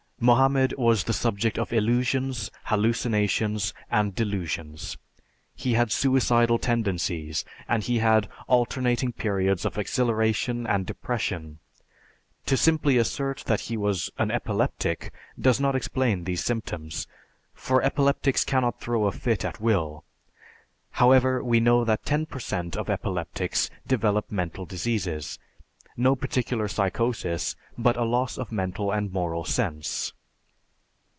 Mohammed was the subject of illusions, hallucinations, and delusions. He had suicidal tendencies, and he had alternating periods of exhilaration and depression. To simply assert that he was an epileptic does not explain these symptoms. For epileptics cannot throw a fit at will. However, we know that ten per cent of epileptics develop mental diseases, no particular psychosis but a loss of mental and moral sense.